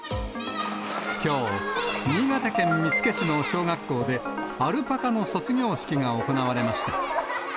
きょう、新潟県見附市の小学校で、アルパカの卒業式が行われました。